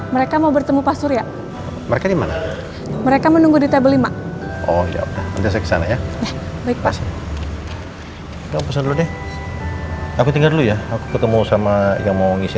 maaf saya menunggu lama ya